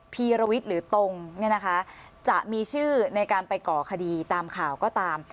พีรวิทย์หรือตงจะมีชื่อในการไปก่อคดีตามข่าวก็ตาม